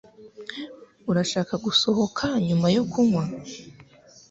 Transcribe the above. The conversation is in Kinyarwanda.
Urashaka gusohoka nyuma yo kunywa?